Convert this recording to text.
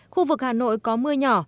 khu vực hà nội có mưa nhỏ